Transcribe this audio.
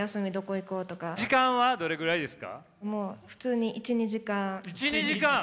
時間はどれくらいですか？